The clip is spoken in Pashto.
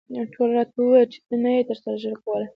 ټولو راته وویل چې نه یې شې ترلاسه کولای.